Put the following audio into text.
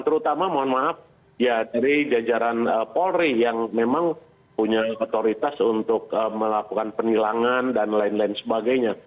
terutama mohon maaf ya dari jajaran polri yang memang punya otoritas untuk melakukan penilangan dan lain lain sebagainya